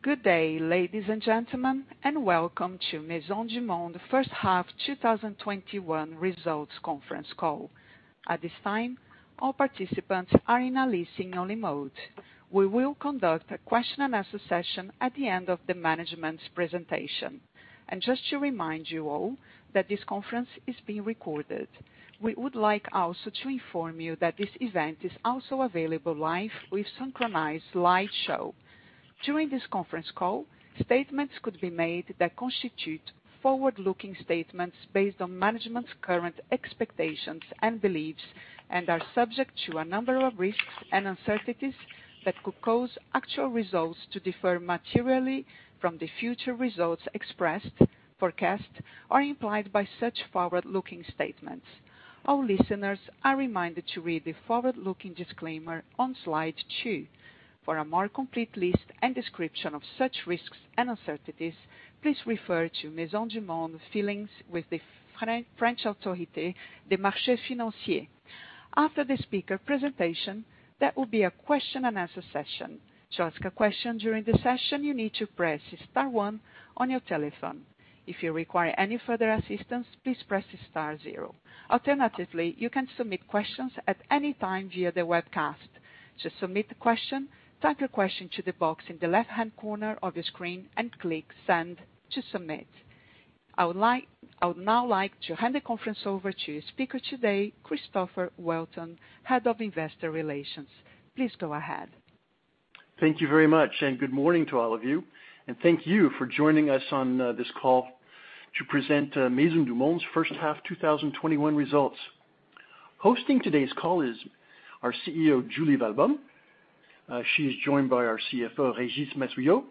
Good day, ladies and gentlemen, welcome to Maisons du Monde H1 2021 Results Conference Call. At this time, all participants are in a listen only mode. We will conduct a question and answer session at the end of the management's presentation. Just to remind you all, that this conference is being recorded. We would like also to inform you that this event is also available live with synchronized live show. During this conference call, statements could be made that constitute forward-looking statements based on management's current expectations and beliefs, and are subject to a number of risks and uncertainties that could cause actual results to differ materially from the future results expressed, forecast, or implied by such forward-looking statements. All listeners are reminded to read the forward-looking disclaimer on slide two. For a more complete list and description of such risks and uncertainties, please refer to Maisons du Monde filings with the French Autorité des Marchés Financiers. After the speaker presentation, there will be a question and answer session. To ask a question during the session, you need to press star one on your telephone. If you require any further assistance, please press star zero. Alternatively, you can submit questions at any time via the webcast. To submit the question, type your question to the box in the left-hand corner of your screen and click send to submit. I would now like to hand the conference over to your speaker today, Christopher Welton, Head of Investor Relations. Please go ahead. Thank you very much, good morning to all of you. Thank you for joining us on this call to present Maisons du Monde's H1 2021 Results. Hosting today's call is our CEO, Julie Walbaum. She is joined by our CFO, Régis Massuyeau.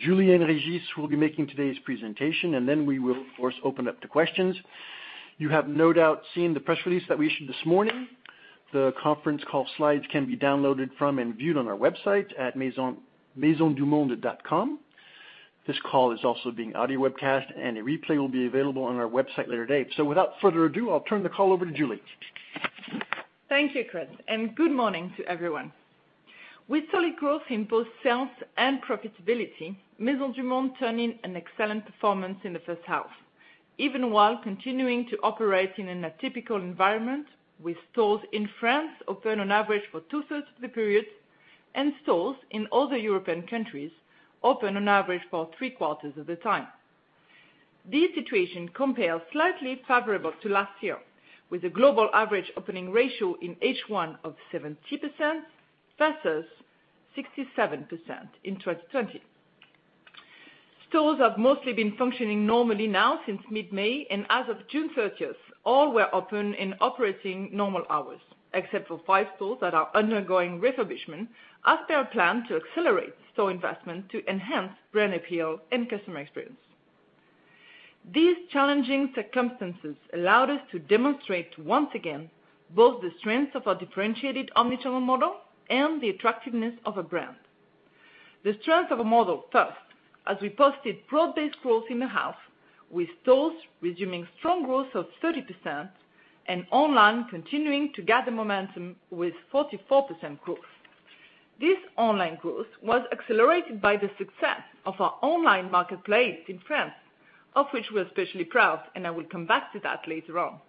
Julie and Régis will be making today's presentation, and then we will, of course, open up to questions. You have no doubt seen the press release that we issued this morning. The conference call slides can be downloaded from and viewed on our website at maisonsdumonde.com. This call is also being audio webcast, and a replay will be available on our website later date. Without further ado, I'll turn the call over to Julie. Thank you, Chris, and good morning to everyone. With solid growth in both sales and profitability, Maisons du Monde turned in an excellent performance in the first half, even while continuing to operate in a typical environment with stores in France open on average for 2/3 of the period, and stores in other European countries open on average for three-quarters of the time. This situation compares slightly favorable to last year, with a global average opening ratio in H1 of 70% versus 67% in 2020. Stores have mostly been functioning normally now since mid-May, and as of June 30th, all were open and operating normal hours, except for five stores that are undergoing refurbishment as per plan to accelerate store investment to enhance brand appeal and customer experience. These challenging circumstances allowed us to demonstrate once again, both the strength of our differentiated omni-channel model and the attractiveness of a brand. The strength of a model first, as we posted broad-based growth in the house, with stores resuming strong growth of 30% and online continuing to gather momentum with 44% growth. This online growth was accelerated by the success of our online marketplace in France, of which we're especially proud. I will come back to that later on.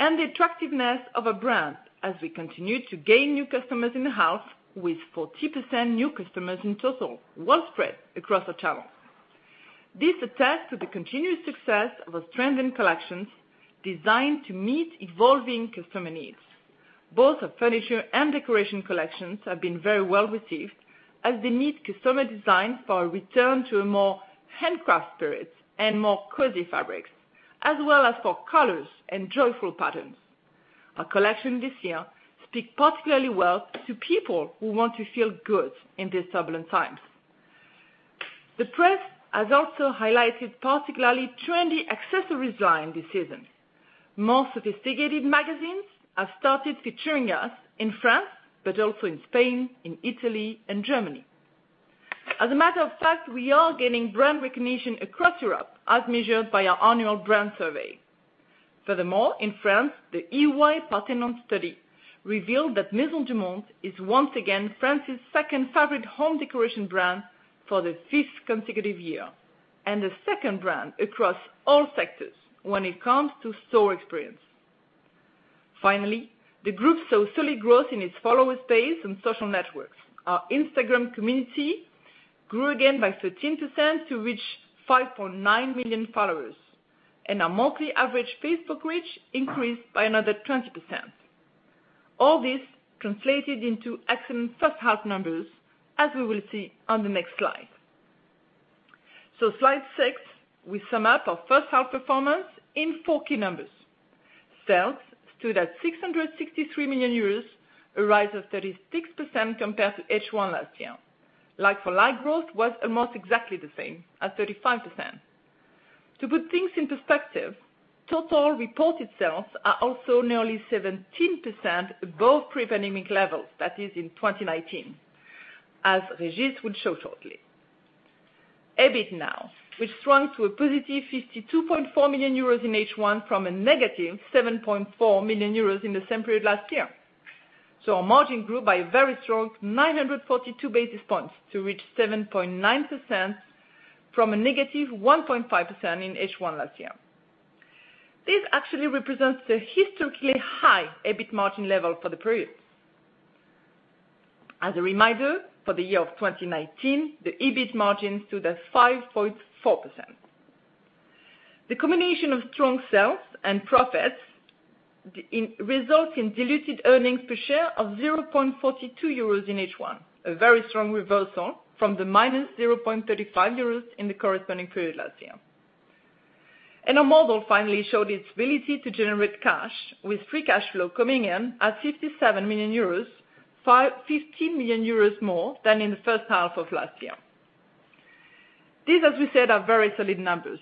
The attractiveness of a brand as we continue to gain new customers in the house with 40% new customers in total, well spread across the channel. This attests to the continuous success of our trending collections designed to meet evolving customer needs. Both our furniture and decoration collections have been very well received as they meet customer design for a return to a more handcraft spirit and more cozy fabrics, as well as for colors and joyful patterns. Our collection this year speak particularly well to people who want to feel good in these turbulent times. The press has also highlighted particularly trendy accessories line this season. More sophisticated magazines have started featuring us in France, but also in Spain, in Italy, and Germany. As a matter of fact, we are gaining brand recognition across Europe as measured by our annual brand survey. Furthermore, in France, the EY-Parthenon study revealed that Maisons du Monde is once again France's second favorite home decoration brand for the fifth consecutive year, and the second brand across all sectors when it comes to store experience. Finally, the group saw solid growth in its follower space on social networks. Our Instagram community grew again by 13% to reach 5.9 million followers, and our monthly average Facebook reach increased by another 20%. All this translated into excellent first half numbers, as we will see on the next slide. Slide six, we sum up our first half performance in four key numbers. Sales stood at 663 million euros, a rise of 36% compared to H1 last year. Like for like growth was almost exactly the same at 35%. To put things in perspective, total reported sales are also nearly 17% above pre-pandemic levels, that is in 2019, as Régis will show shortly. EBIT now, which shrunk to a positive 52.4 million euros in H1 from a negative 7.4 million euros in the same period last year. Our margin grew by a very strong 942 basis points to reach 7.9% from a negative 1.5% in H1 last year. This actually represents the historically high EBIT margin level for the period. As a reminder, for the year of 2019, the EBIT margin stood at 5.4%. The combination of strong sales and profits results in diluted earnings per share of 0.42 euros in H1, a very strong reversal from the minus 0.35 euros in the corresponding period last year. Our model finally showed its ability to generate cash, with free cash flow coming in at 57 million euros, 15 million euros more than in the first half of last year. These, as we said, are very solid numbers,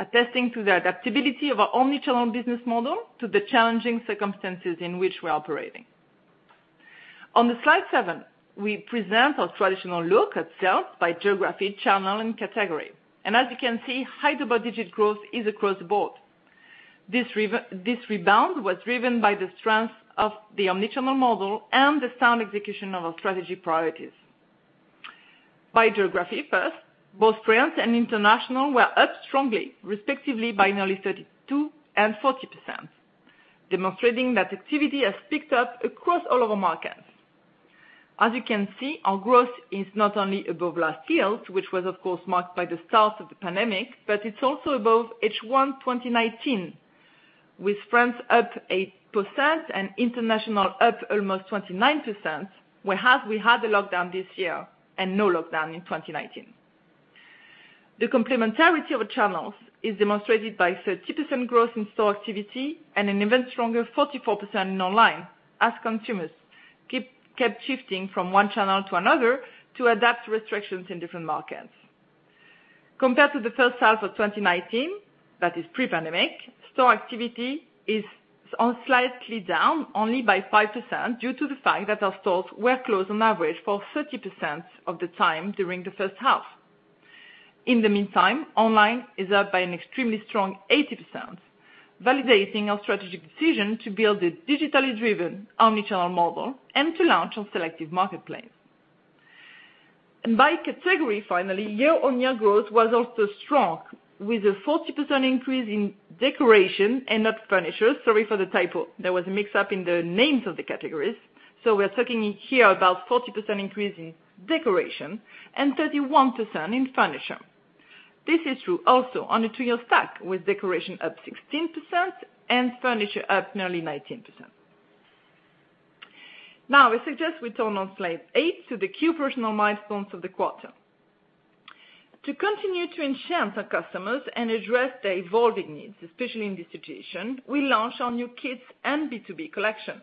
attesting to the adaptability of our omnichannel business model to the challenging circumstances in which we're operating. On slide seven, we present our traditional look at sales by geography, channel and category. As you can see, high double-digit growth is across the board. This rebound was driven by the strength of the omnichannel model and the sound execution of our strategy priorities. By geography first, both France and international were up strongly, respectively, by nearly 32% and 40%, demonstrating that activity has picked up across all of our markets. As you can see, our growth is not only above last year, which was of course marked by the start of the pandemic, but it's also above H1 2019, with France up 8% and international up almost 29%, whereas we had a lockdown this year and no lockdown in 2019. The complementarity of channels is demonstrated by 30% growth in store activity and an even stronger 44% in online as consumers kept shifting from one channel to another to adapt to restrictions in different markets. Compared to the H1 of 2019, that is pre-pandemic, store activity is on slightly down only by 5% due to the fact that our stores were closed on average for 30% of the time during the first half. In the meantime, online is up by an extremely strong 80%, validating our strategic decision to build a digitally driven omnichannel model and to launch on selective marketplace. By category, finally, year-on-year growth was also strong with a 40% increase in decoration and not furniture. Sorry for the typo. There was a mix-up in the names of the categories. We are talking here about 40% increase in decoration and 31% in furniture. This is true also on a two-year stack with decoration up 16% and furniture up nearly 19%. I suggest we turn on slide eight to the key personal milestones of the quarter. To continue to enchant our customers and address their evolving needs, especially in this situation, we launched our new Kids and B2B collection.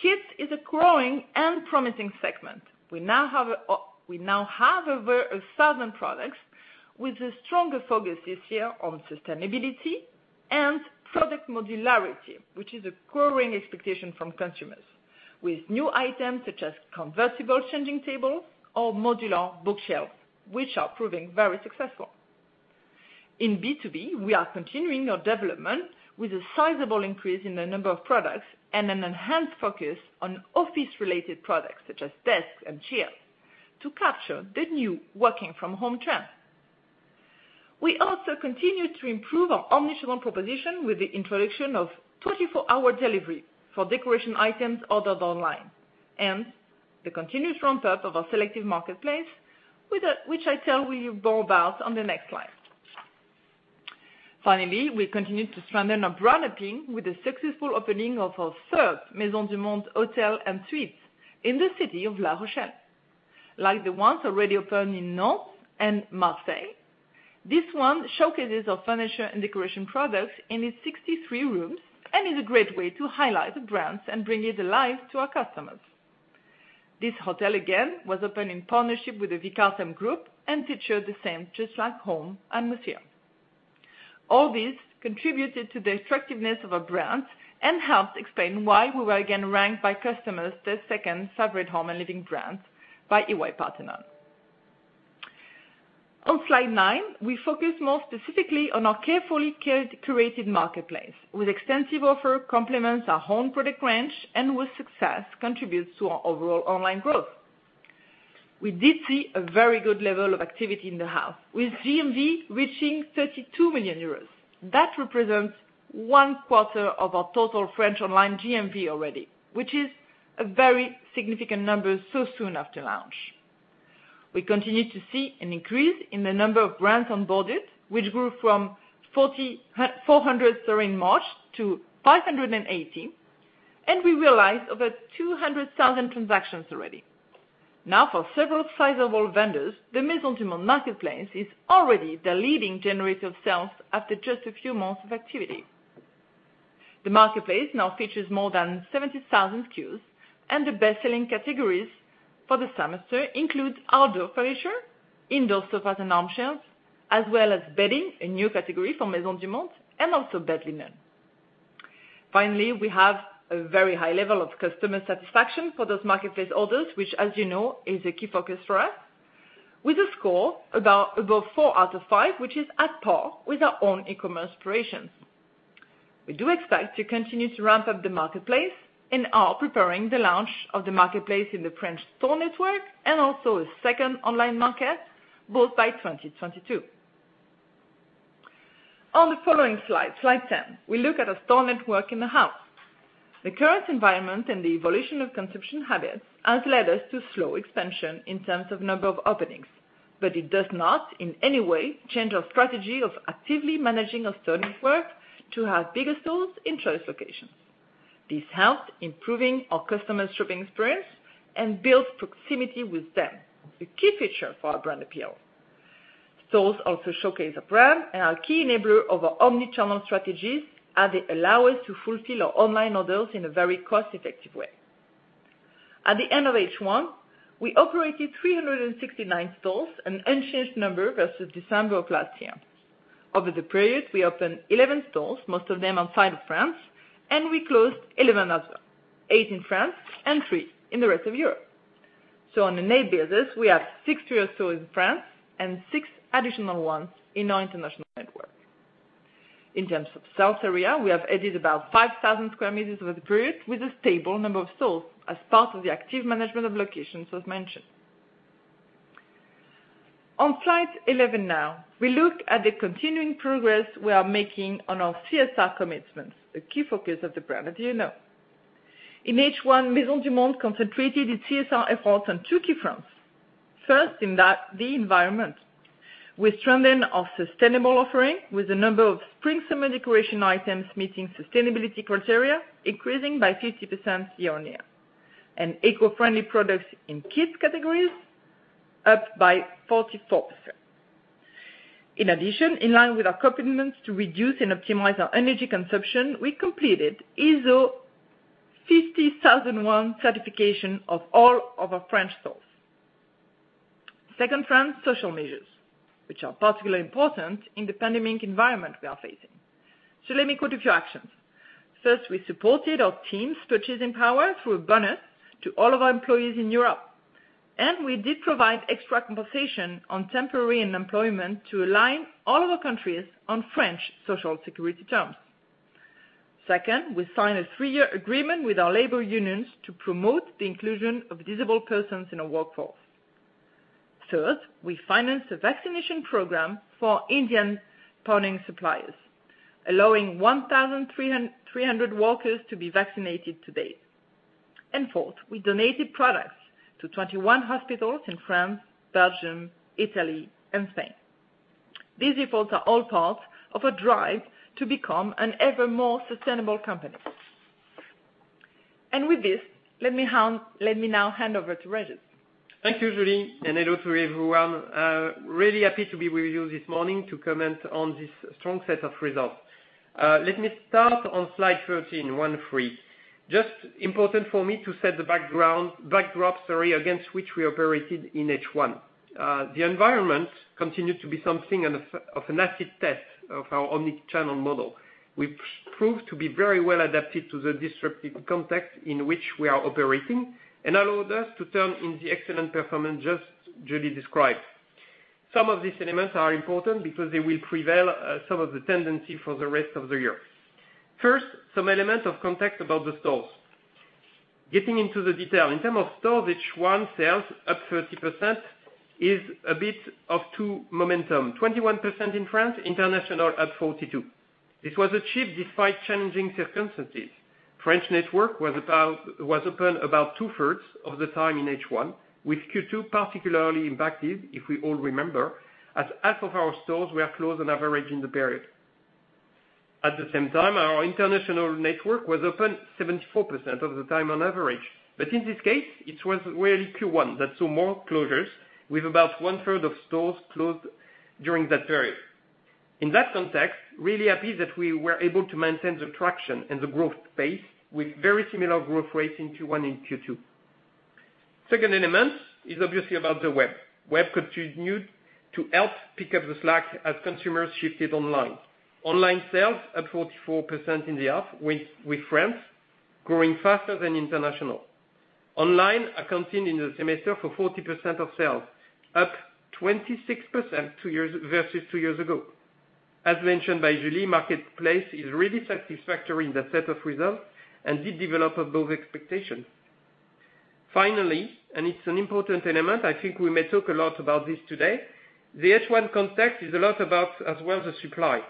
Kids is a growing and promising segment. We now have over 1,000 products with a stronger focus this year on sustainability and product modularity, which is a growing expectation from consumers with new items such as convertible changing tables or modular bookshelves, which are proving very successful. In B2B, we are continuing our development with a sizable increase in the number of products and an enhanced focus on office-related products such as desks and chairs to capture the new working from home trend. We also continue to improve our omnichannel proposition with the introduction of 24-hour delivery for decoration items ordered online and the continuous ramp up of our selective marketplace, which I tell you more about on the next slide. Finally, we continued to strengthen our brand mapping with the successful opening of our third Maisons du Monde hotel and suites in the city of La Rochelle. Like the ones already opened in Nantes and Marseille, this one showcases our furniture and decoration products in its 63 rooms and is a great way to highlight the brands and bring it alive to our customers. This hotel again was opened in partnership with the Vicartem group and it shows the same just like home atmosphere. All this contributed to the attractiveness of our brand and helps explain why we were again ranked by customers the second favorite home and living brand by EY-Parthenon. On slide nine, we focus more specifically on our carefully curated marketplace with extensive offer complements our home product range and with success contributes to our overall online growth. We did see a very good level of activity in the house with GMV reaching 32 million euros. That represents one quarter of our total French online GMV already, which is a very significant number so soon after launch. We continue to see an increase in the number of brands onboarded, which grew from 400 in March to 580, and we realized over 200,000 transactions already. Now for several sizable vendors, the Maisons du Monde marketplace is already the leading generator of sales after just a few months of activity. The marketplace now features more than 70,000 SKUs, and the best selling categories for the semester include outdoor furniture, indoor sofas and armchairs, as well as bedding, a new category for Maisons du Monde, and also bed linen. Finally, we have a very high level of customer satisfaction for those marketplace orders, which as you know, is a key focus for us. With a score above four out of five, which is at par with our own e-commerce operations. We do expect to continue to ramp up the marketplace and are preparing the launch of the marketplace in the French store network, and also a second online market, both by 2022. On the following slide 10, we look at our store network in the house. The current environment and the evolution of consumption habits has led us to slow expansion in terms of number of openings. It does not in any way change our strategy of actively managing our store network to have bigger stores in choice locations. This helps improving our customer's shopping experience and builds proximity with them, a key feature for our brand appeal. Stores also showcase our brand and are a key enabler of our omni-channel strategies, as they allow us to fulfill our online orders in a very cost-effective way. At the end of H1, we operated 369 stores, an unchanged number versus December of last year. Over the period, we opened 11 stores, most of them outside of France, and we closed 11 as well, eight in France and three in the rest of Europe. On a net business, we have six stores in France and six additional ones in our international network. In terms of sales area, we have added about 5,000 sq m over the period with a stable number of stores as part of the active management of locations, as mentioned. On slide 11 now. We look at the continuing progress we are making on our CSR commitments, a key focus of the brand, as you know. In H1, Maisons du Monde concentrated its CSR efforts on two key fronts. First, in the environment. We strengthened our sustainable offering with the number of spring/summer decoration items meeting sustainability criteria increasing by 50% year-over-year. Eco-friendly products in kids categories up by 44%. In addition, in line with our commitments to reduce and optimize our energy consumption, we completed ISO 50001 certification of all of our French stores. Second front, social measures, which are particularly important in the pandemic environment we are facing. Let me go to a few actions. First, we supported our team's purchasing power through a bonus to all of our employees in Europe, and we did provide extra compensation on temporary and employment to align all of our countries on French social security terms. Second, we signed a three-year agreement with our labor unions to promote the inclusion of disabled persons in our workforce. Third, we financed a vaccination program for our Indian pooling suppliers, allowing 1,300 workers to be vaccinated to date. Fourth, we donated products to 21 hospitals in France, Belgium, Italy and Spain. These efforts are all part of a drive to become an ever more sustainable company. With this, let me now hand over to Régis. Thank you, Julie, and hello to everyone. Really happy to be with you this morning to comment on this strong set of results. Let me start on slide 13. 13. Just important for me to set the backdrop, sorry, against which we operated in H1. The environment continued to be something of an acid test of our omni-channel model, which proved to be very well adapted to the disruptive context in which we are operating and allowed us to turn in the excellent performance just Julie described. Some of these elements are important because they will prevail some of the tendency for the rest of the year. First, some elements of context about the stores. Getting into the detail. In terms of stores, H1 sales up 30% is a bit of two momentum, 21% in France, international at 42%. This was achieved despite challenging circumstances. French network was open about 2/3 of the time in H1, with Q2 particularly impacted, if we all remember, as half of our stores were closed on average in the period. At the same time, our international network was open 74% of the time on average. In this case, it was really Q1 that saw more closures with about one-third of stores closed during that period. In that context, really happy that we were able to maintain the traction and the growth pace with very similar growth rates in Q1 and Q2. Second element is obviously about the web. Web continued to help pick up the slack as consumers shifted online. Online sales up 44% in the half with France growing faster than international. Online accounting in the semester for 40% of sales up 26% versus two years ago. As mentioned by Julie, marketplace is really satisfactory in the set of results and did develop above expectations. Finally, it's an important element, I think we may talk a lot about this today. The H1 context is a lot about as well the supply.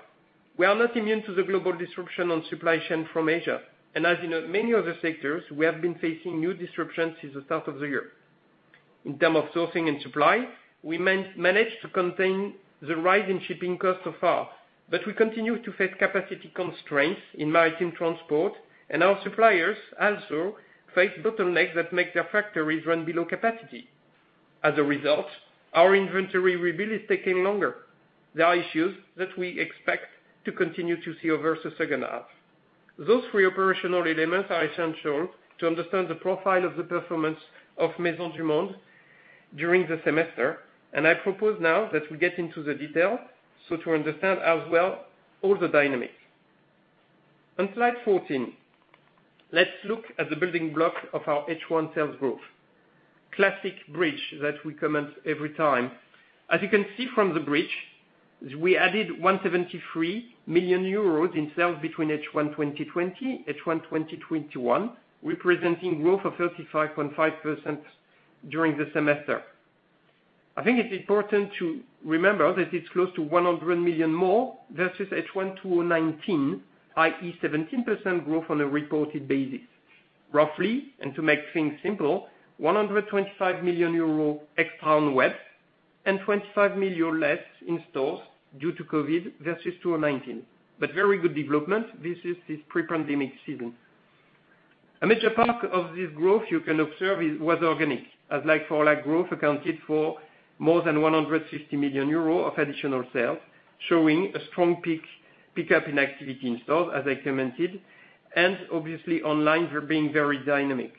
We are not immune to the global disruption on supply chain from Asia. As you know, many other sectors, we have been facing new disruptions since the start of the year. In terms of sourcing and supply, we managed to contain the rise in shipping costs so far, but we continue to face capacity constraints in maritime transport, and our suppliers also face bottlenecks that make their factories run below capacity. As a result, our inventory rebuild is taking longer. There are issues that we expect to continue to see over the second half. Those three operational elements are essential to understand the profile of the performance of Maisons du Monde during the semester. I propose now that we get into the detail to understand as well all the dynamics. On slide 14, let's look at the building block of our H1 sales growth. Classic bridge that we comment every time. As you can see from the bridge, we added 173 million euros in sales between H1 2020, H1 2021, representing growth of 35.5% during the semester. I think it's important to remember that it's close to 100 million more versus H1 2019, i.e., 17% growth on a reported basis. Roughly, and to make things simple, 125 million euro extra on the web, and 25 million less in stores due to COVID versus 2019. Very good development versus the pre-pandemic season. A major part of this growth you can observe was organic as like-for-like growth accounted for more than 150 million euros of additional sales, showing a strong pick-up in activity in stores as I commented, and obviously online being very dynamic.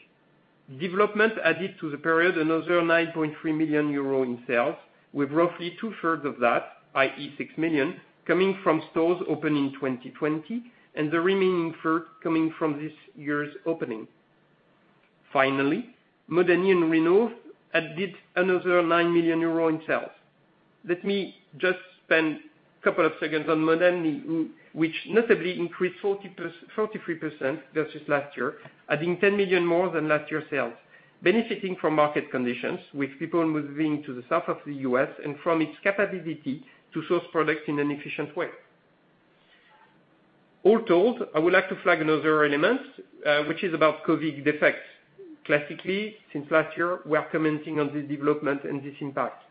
Development added to the period another 9.3 million euro in sales, with roughly two-thirds of that, i.e., 6 million, coming from stores opened in 2020, and the remaining third coming from this year's opening. Finally, Modani and Rhinov added another 9 million euro in sales. Let me just spend a couple of seconds on Modani, which notably increased 43% versus last year, adding 10 million more than last year's sales, benefiting from market conditions with people moving to the south of the U.S. and from its capability to source products in an efficient way. All told, I would like to flag another element, which is about COVID effects. Classically, since last year, we are commenting on this development and this impact.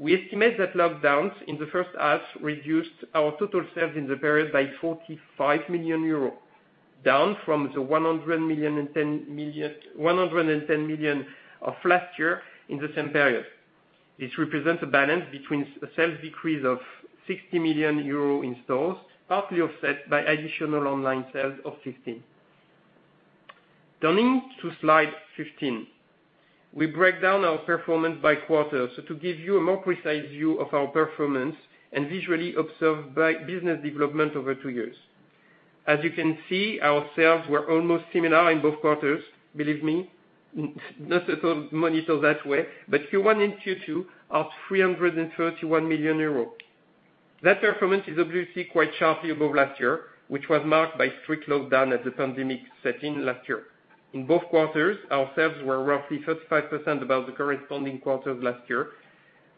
We estimate that lockdowns in the first half reduced our total sales in the period by 45 million euros, down from the 110 million of last year in the same period. This represents a balance between a sales decrease of 60 million euro in stores, partly offset by additional online sales of 15 million. Turning to slide 15. We break down our performance by quarter. To give you a more precise view of our performance and visually observe business development over two years. As you can see, our sales were almost similar in both quarters. Believe me, not at all monitor that way, Q1 and Q2 are 331 million euros. That performance is obviously quite sharply above last year, which was marked by strict lockdown as the pandemic set in last year. In both quarters, our sales were roughly 35% above the corresponding quarters last year.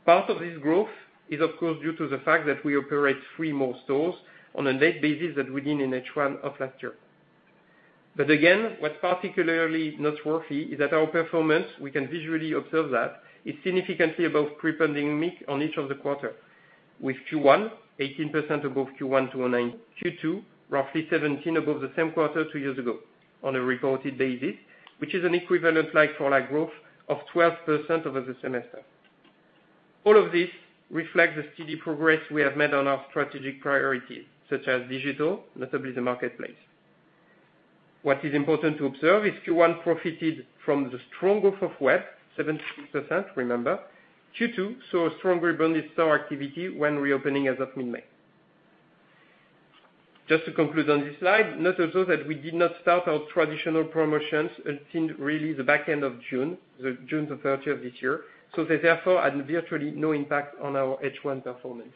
Part of this growth is of course due to the fact that we operate three more stores on a net basis than within H1 of last year. Again, what's particularly noteworthy is that our performance, we can visually observe that, is significantly above pre-pandemic on each of the quarter, with Q1 18% above Q1 2019, Q2 roughly 17% above the same quarter two years ago on a reported basis, which is an equivalent like-for-like growth of 12% over the semester. All of this reflects the steady progress we have made on our strategic priorities, such as digital, notably the marketplace. What is important to observe is Q1 profited from the strong growth of web, 76%, remember. Q2 saw a strong rebound in store activity when reopening as of mid-May. Just to conclude on this slide, note also that we did not start our traditional promotions until really the back end of June 30th this year, so they therefore had virtually no impact on our H1 performance.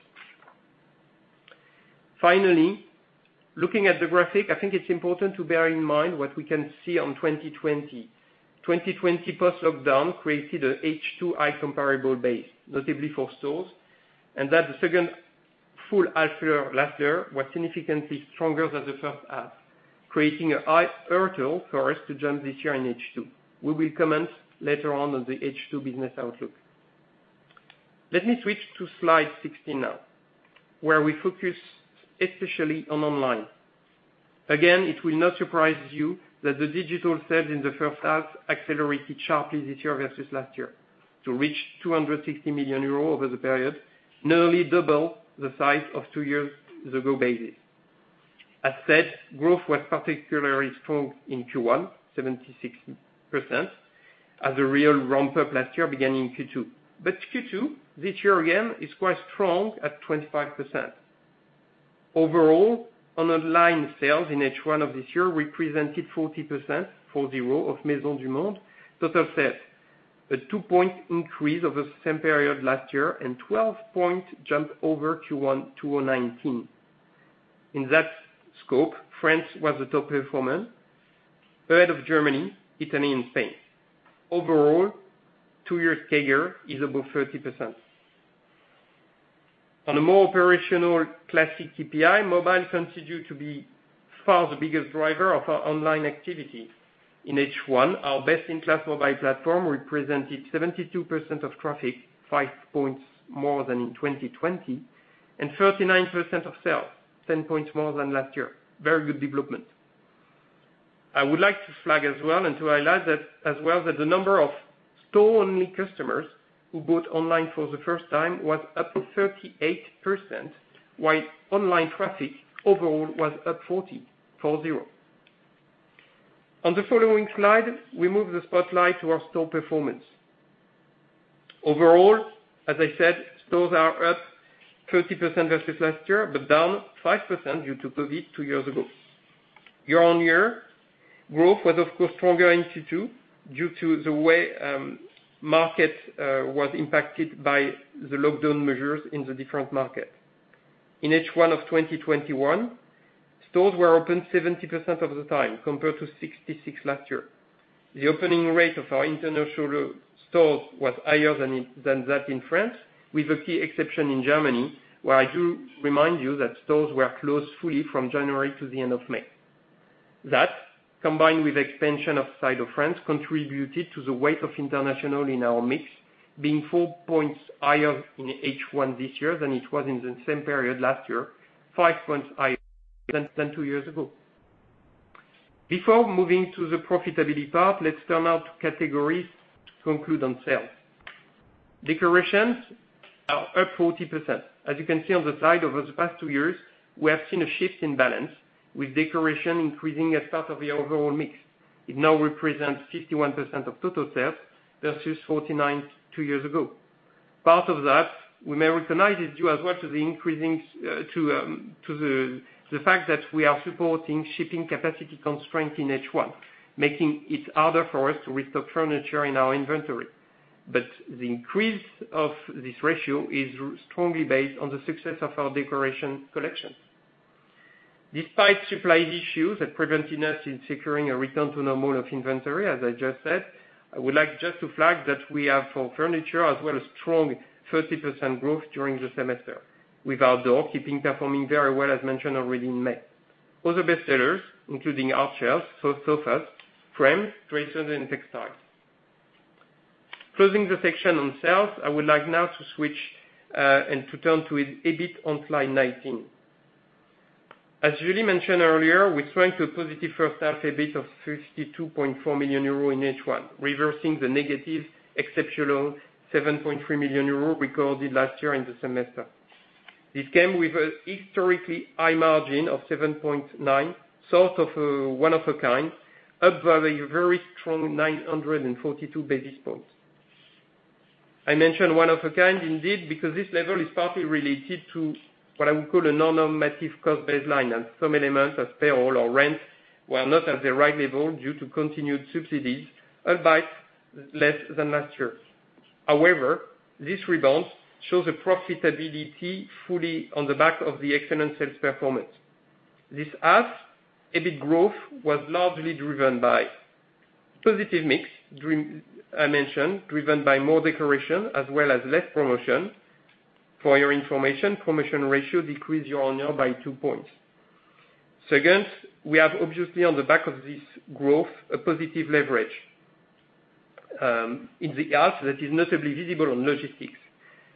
Finally, looking at the graphic, I think it's important to bear in mind what we can see on 2020. 2020 post-lockdown created a H2 comparable base, notably for stores, and that the second full half year last year was significantly stronger than the first half, creating a high hurdle for us to jump this year in H2. We will comment later on the H2 business outlook. Let me switch to slide 16 now, where we focus especially on online. It will not surprise you that the digital sales in the first half accelerated sharply this year versus last year to reach 260 million euros over the period, nearly double the size of two years ago basis. Growth was particularly strong in Q1, 76%, as a real ramp-up last year began in Q2. Q2 this year again is quite strong at 25%. Online sales in H1 of this year represented 40%, four zero, of Maisons du Monde total sales. A two-point increase over the same period last year and 12-point jump over Q1 2019. In that scope, France was the top performer, ahead of Germany, Italy, and Spain. Two-year CAGR is above 30%. On a more operational classic KPI, mobile continued to be far the biggest driver of our online activity. In H1, our best-in-class mobile platform represented 72% of traffic, 5 points more than in 2020, and 39% of sales, 10 points more than last year. Very good development. I would like to flag as well and to highlight as well that the number of store-only customers who bought online for the first time was up 38%, while online traffic overall was up 40%. On the following slide, we move the spotlight to our store performance. Overall, as I said, stores are up 30% versus last year, but down 5% due to COVID two years ago. Year-on-year growth was, of course, stronger in Q2 due to the way market was impacted by the lockdown measures in the different market. In H1 of 2021, stores were open 70% of the time compared to 66% last year. The opening rate of our international stores was higher than that in France, with a key exception in Germany, where I do remind you that stores were closed fully from January to the end of May. That, combined with expansion outside of France, contributed to the weight of international in our mix being four points higher in H1 this year than it was in the same period last year, five points higher than two years ago. Before moving to the profitability part, let's turn now to categories to conclude on sales. Decorations are up 40%. As you can see on the slide, over the past two years, we have seen a shift in balance with decoration increasing as part of the overall mix. It now represents 51% of total sales versus 49% two years ago. Part of that we may recognize it due as well to the fact that we are supporting shipping capacity constraints in H1, making it harder for us to restock furniture in our inventory. The increase of this ratio is strongly based on the success of our decoration collections. Despite supply issues that prevented us in securing a return to normal of inventory, as I just said, I would like just to flag that we have for furniture as well a strong 30% growth during the semester, with outdoor keeping performing very well as mentioned already in May. Other bestsellers including our shelves, sofas, frames, dresses, and textiles. Closing the section on sales, I would like now to switch and to turn to EBIT on slide 19. As Julie mentioned earlier, we're showing a positive H1 EBIT of 52.4 million euros in H1, reversing the negative exceptional 7.3 million euros we recorded last year in the semester. This came with a historically high margin of 7.9%, sort of a one of a kind, up by a very strong 942 basis points. I mentioned one of a kind indeed because this level is partly related to what I would call a non-normative cost baseline as some elements as payroll or rent were not at the right level due to continued subsidies, albeit less than last year. However, this rebound shows a profitability fully on the back of the excellent sales performance. This as, EBIT growth was largely driven by positive mix, I mentioned, driven by more decoration as well as less promotion. For your information, promotion ratio decreased year-on-year by two points. Second, we have obviously on the back of this growth a positive leverage that is notably visible on logistics.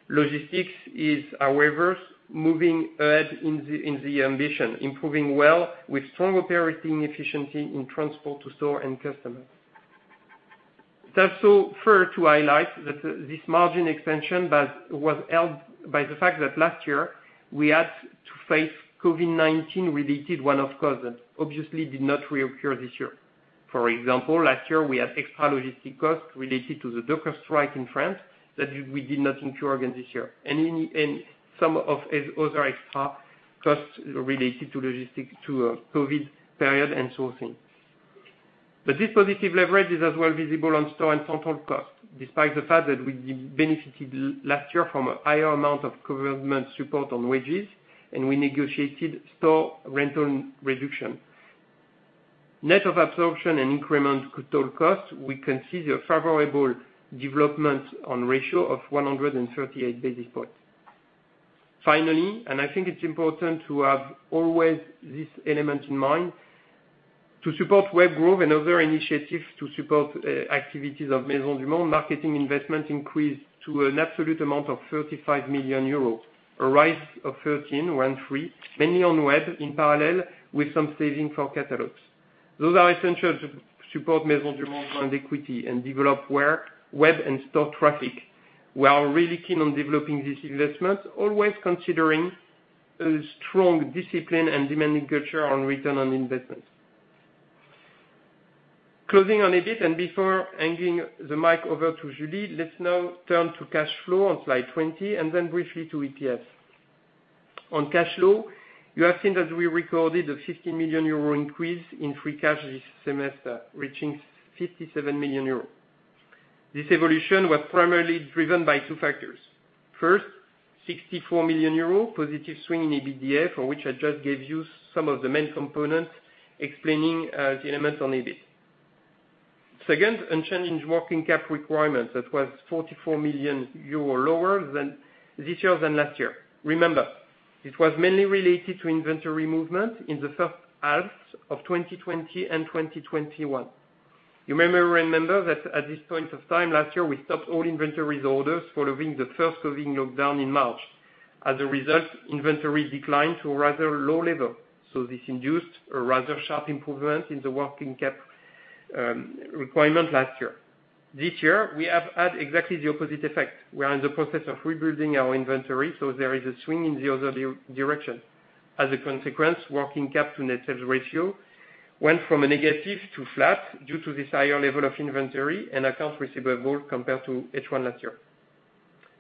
Logistics is our lever moving ahead in the ambition, improving well with strong operating efficiency in transport to store and customers. It is also fair to highlight that this margin expansion was helped by the fact that last year we had to face COVID-19 related one-off costs that obviously did not reoccur this year. For example, last year we had extra logistic costs related to the docker strike in France that we did not incur again this year and some of other extra costs related to logistic to COVID period and so on. This positive leverage is as well visible on store and control costs, despite the fact that we benefited last year from a higher amount of government support on wages and we negotiated store rental reduction. Net of absorption and increment total costs, we can see the favorable development on ratio of 138 basis points. Finally, I think it's important to have always this element in mind, to support web growth and other initiatives to support activities of Maisons du Monde marketing investment increased to an absolute amount of 35 million euros, a rise of 13, mainly on web in parallel with some saving for catalogs. Those are essential to support Maisons du Monde brand equity and develop web and store traffic. We are really keen on developing this investment, always considering a strong discipline and demanding culture on return on investments. Closing on EBIT before handing the mic over to Julie, let's now turn to cash flow on slide 20 and then briefly to EPS. On cash flow, you have seen that we recorded a 50 million euro increase in free cash this semester, reaching 57 million euro. This evolution was primarily driven by two factors. First, 64 million euro positive swing in EBITDA, for which I just gave you some of the main components explaining the elements on EBIT. Second, unchanged working cap requirements that was 44 million euro lower this year than last year. Remember, it was mainly related to inventory movement in the H1 of 2020 and 2021. You may remember that at this point of time last year, we stopped all inventory orders following the first COVID lockdown in March. As a result, inventory declined to a rather low level, so this induced a rather sharp improvement in the working cap requirement last year. This year, we have had exactly the opposite effect. We are in the process of rebuilding our inventory. There is a swing in the other direction. As a consequence, working capital to net sales ratio went from a negative to flat due to this higher level of inventory and accounts receivable compared to H1 last year.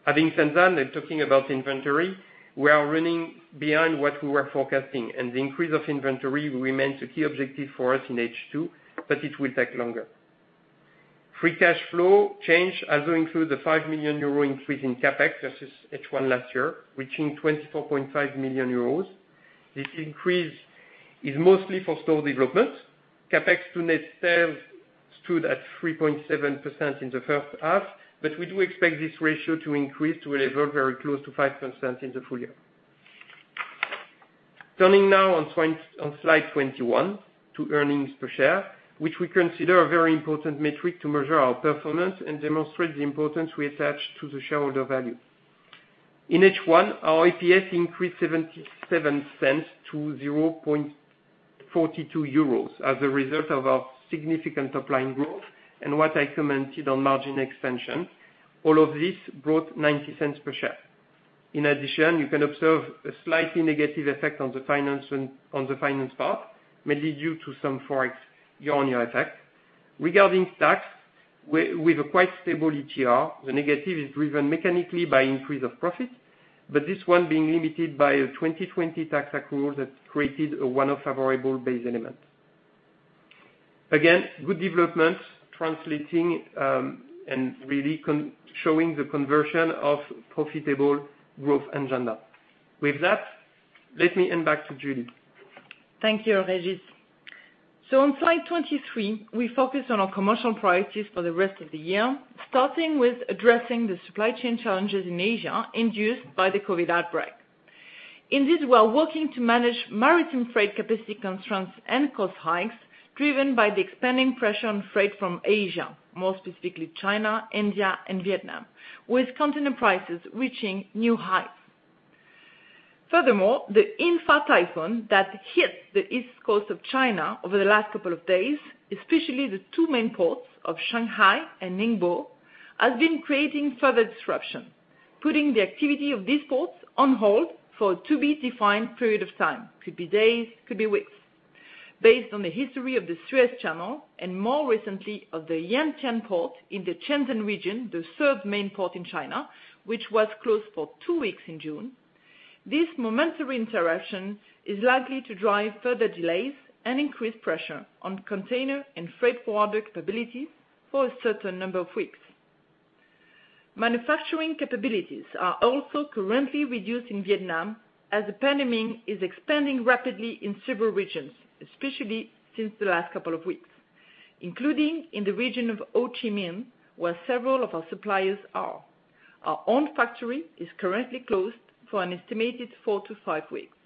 Having said that, and talking about inventory, we are running behind what we were forecasting. The increase of inventory remains a key objective for us in H2. It will take longer. Free cash flow change as we include the 5 million euro increase in CapEx versus H1 last year, reaching 24.5 million euros. This increase is mostly for store development. CapEx to net sales stood at 3.7% in the first half. We do expect this ratio to increase to a level very close to 5% in the full-year. Turning now on slide 21 to earnings per share, which we consider a very important metric to measure our performance and demonstrate the importance we attach to the shareholder value. In H1, our EPS increased 0.77 to 0.42 euros as a result of our significant top-line growth and what I commented on margin extension. All of this brought 0.90 per share. You can observe a slightly negative effect on the finance part, mainly due to some Forex year-on-year effect. Regarding tax, with a quite stable ETR, the negative is driven mechanically by increase of profit, but this one being limited by a 2020 tax accrual that created a one-off favorable base element. Good development translating and really showing the conversion of profitable growth agenda. With that, let me hand back to Julie. Thank you, Régis. On slide 23, we focus on our commercial priorities for the rest of the year, starting with addressing the supply chain challenges in Asia induced by the COVID outbreak. Indeed, we're working to manage maritime freight capacity constraints and cost hikes driven by the expanding pressure on freight from Asia, more specifically China, India, and Vietnam, with container prices reaching new heights. Furthermore, the In-fa typhoon that hit the east coast of China over the last couple of days, especially the two main ports of Shanghai and Ningbo, has been creating further disruption, putting the activity of these ports on hold for a to-be-defined period of time. Could be days, could be weeks. Based on the history of the Suez Canal, and more recently of the Yantian port in the Shenzhen region, the third main port in China, which was closed for two weeks in June, this momentary interruption is likely to drive further delays and increase pressure on container and freight forwarder capabilities for a certain number of weeks. Manufacturing capabilities are also currently reduced in Vietnam as the pandemic is expanding rapidly in several regions, especially since the last couple of weeks, including in the region of Ho Chi Minh, where several of our suppliers are. Our own factory is currently closed for an estimated four to five weeks.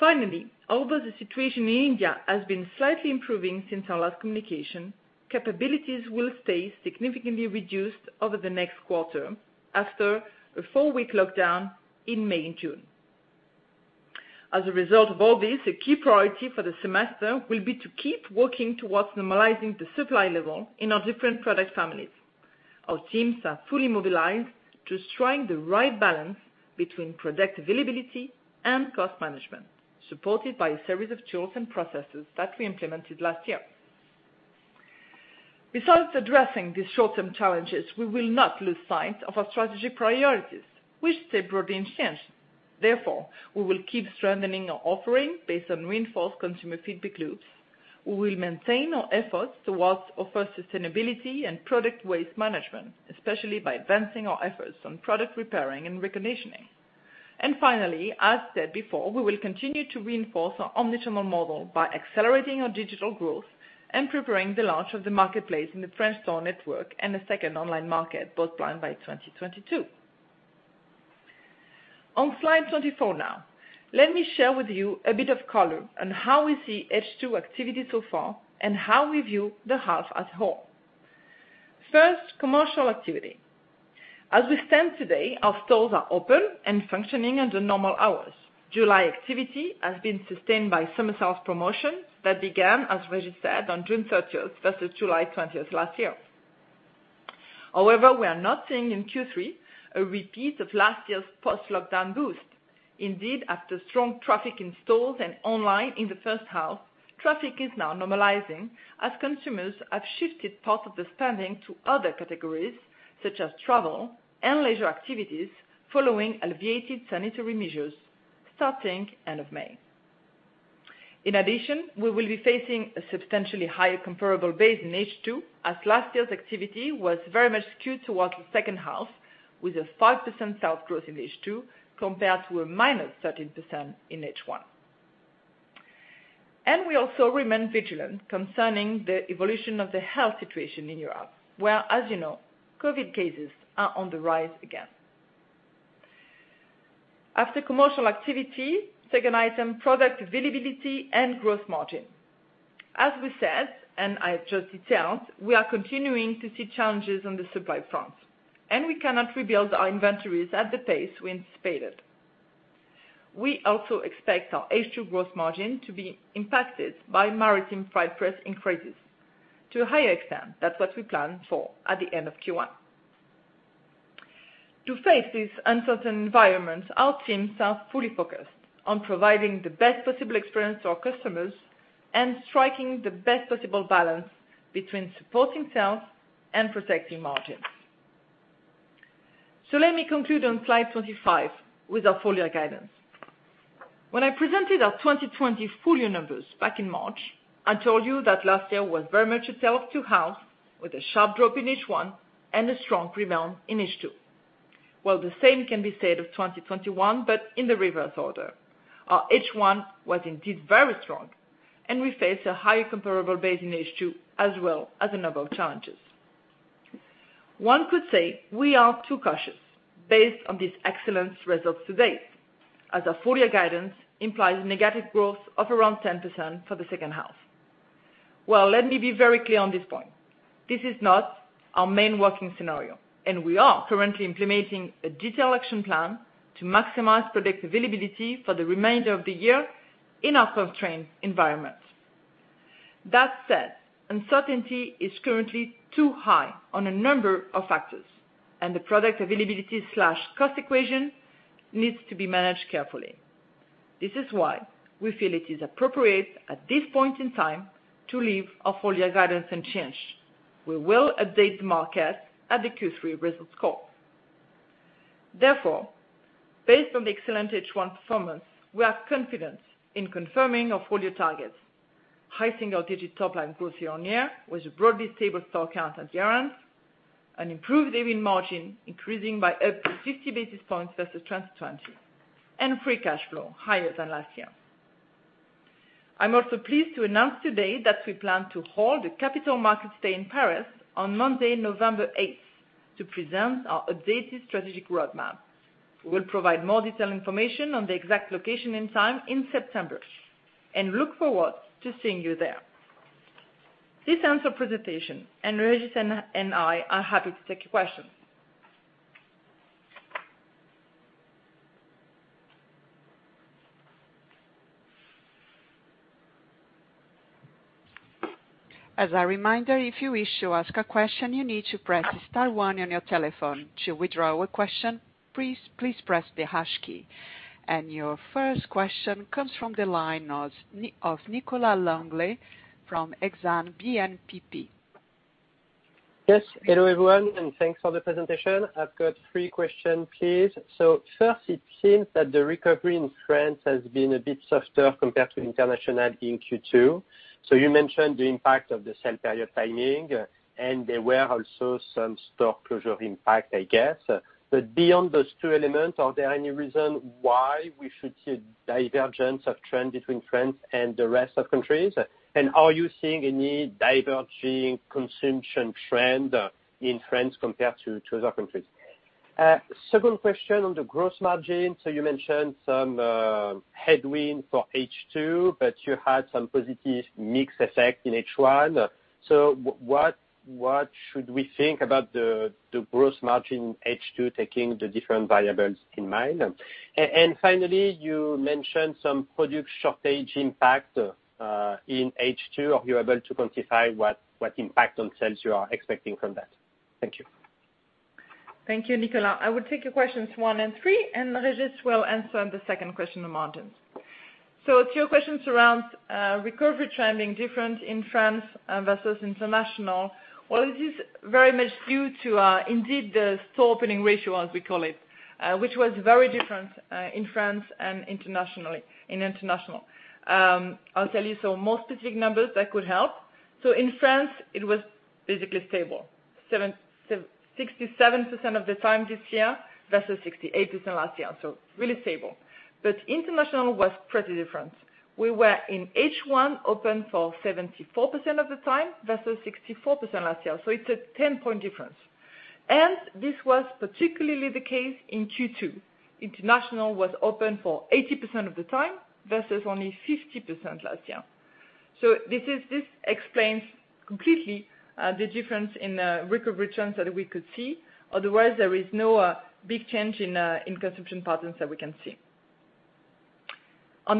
Finally, although the situation in India has been slightly improving since our last communication, capabilities will stay significantly reduced over the next quarter after a four-week lockdown in May and June. As a result of all this, a key priority for the semester will be to keep working towards normalizing the supply level in our different product families. Our teams are fully mobilized to strike the right balance between product availability and cost management, supported by a series of tools and processes that we implemented last year. Besides addressing these short-term challenges, we will not lose sight of our strategic priorities, which stay broadly unchanged. Therefore, we will keep strengthening our offering based on reinforced consumer feedback loops. We will maintain our efforts towards offer sustainability and product waste management, especially by advancing our efforts on product repairing and reconditioning. Finally, as said before, we will continue to reinforce our omnichannel model by accelerating our digital growth and preparing the launch of the marketplace in the French store network and a second online market both planned by 2022. On slide 24 now, let me share with you a bit of color on how we see H2 activity so far and how we view the half as a whole. First, commercial activity. As we stand today, our stores are open and functioning under normal hours. July activity has been sustained by summer sales promotions that began, as Régis said, on June 30th versus July 20th last year. We are not seeing in Q3 a repeat of last year's post-lockdown boost. Indeed, after strong traffic in stores and online in the first half, traffic is now normalizing as consumers have shifted part of the spending to other categories such as travel and leisure activities following alleviated sanitary measures starting end of May. We will be facing a substantially higher comparable base in H2, as last year's activity was very much skewed towards the second half with a 5% sales growth in H2 compared to a -13% in H1. We also remain vigilant concerning the evolution of the health situation in Europe, where, as you know, COVID cases are on the rise again. After commercial activity, second item, product availability and gross margin. As we said, and I just detailed, we are continuing to see challenges on the supply front, and we cannot rebuild our inventories at the pace we anticipated. We also expect our H2 gross margin to be impacted by maritime freight press increases to a higher extent. That's what we plan for at the end of Q1. To face this uncertain environment, our teams are fully focused on providing the best possible experience to our customers and striking the best possible balance between supporting sales and protecting margins. Let me conclude on slide 25 with our full-year guidance. When I presented our 2020 full-year numbers back in March, I told you that last year was very much a tale of two halves with a sharp drop in H1 and a strong rebound in H2. Well, the same can be said of 2021, but in the reverse order. Our H1 was indeed very strong, and we face a higher comparable base in H2 as well as a number of challenges. One could say we are too cautious based on these excellent results to date, as our full-year guidance implies negative growth of around 10% for the second half. Well, let me be very clear on this point. This is not our main working scenario, and we are currently implementing a detailed action plan to maximize product availability for the remainder of the year in our constrained environment. That said, uncertainty is currently too high on a number of factors, and the product availability/cost equation needs to be managed carefully. This is why we feel it is appropriate at this point in time to leave our full-year guidance unchanged. We will update the market at the Q3 results call. Based on the excellent H1 performance, we are confident in confirming our full-year targets. High single-digit top-line growth year-over-year, with a broadly stable store count and guarantees, an improved EBIT margin increasing by up to 50 basis points versus 2020, and free cash flow higher than last year. I'm also pleased to announce today that we plan to hold a Capital Markets Day in Paris on Monday, November 8th to present our updated strategic roadmap. We'll provide more detailed information on the exact location and time in September, and look forward to seeing you there. This ends our presentation, and Regis and I are happy to take your questions. As a reminder, if you wish to ask a question, you need to press star one on your telephone. To withdraw a question, please press the hash key. Your first question comes from the line of Nicolas Langlet from Exane BNP. Yes. Hello, everyone, and thanks for the presentation. I've got three questions, please. First, it seems that the recovery in France has been a bit softer compared to international in Q2. You mentioned the impact of the same period timing, and there were also some store closure impact, I guess. Beyond those two elements, are there any reasons why we should see a divergence of trend between France and the rest of countries? Are you seeing any diverging consumption trend in France compared to other countries? Second question on the gross margin. You mentioned some headwind for H2, but you had some positive mix effect in H1. What should we think about the gross margin H2, taking the different variables in mind? Finally, you mentioned some product shortage impact in H2. Are you able to quantify what impact on sales you are expecting from that? Thank you. Thank you, Nicolas. I will take your questions one and three, and Régis will answer the second question on margins. Two questions around recovery trending different in France versus international. It is very much due to indeed the store opening ratio, as we call it, which was very different in France and internationally. I'll tell you some more specific numbers that could help. In France, it was basically stable, 67% of the time this year versus 68% last year, so really stable. International was pretty different. We were in H1 open for 74% of the time versus 64% last year. It's a 10-point difference. This was particularly the case in Q2. International was open for 80% of the time versus only 50% last year. This explains completely the difference in recovery trends that we could see. Otherwise, there is no big change in consumption patterns that we can see. On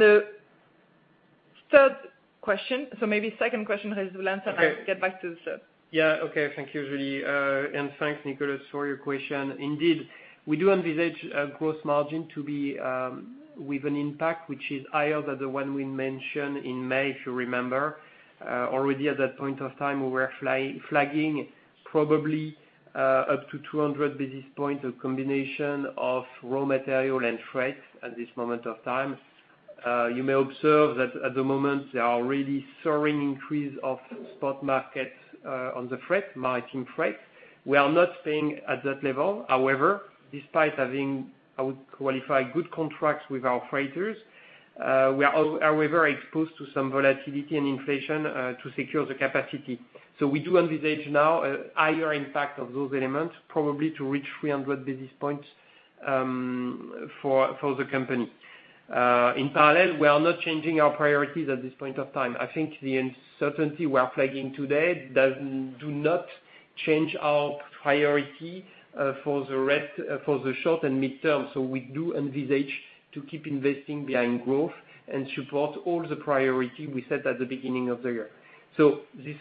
the third question, so maybe second question, Régis will answer and I'll get back to the third. Okay. Thank you, Julie. Thanks, Nicolas, for your question. Indeed, we do envisage a gross margin to be with an impact which is higher than the one we mentioned in May, if you remember. Already at that point of time, we were flagging probably up to 200 basis points a combination of raw material and freight at this moment of time. You may observe that at the moment, there are really soaring increase of spot market on the freight, maritime freight. We are not staying at that level. However, despite having, I would qualify good contracts with our freighters, we are very exposed to some volatility and inflation to secure the capacity. We do envisage now a higher impact of those elements, probably to reach 300 basis points for the company. In parallel, we are not changing our priorities at this point of time. I think the uncertainty we are flagging today do not change our priority for the short and mid-term. We do envisage to keep investing behind growth and support all the priority we set at the beginning of the year. These